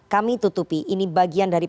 kami tutupi ini bagian dari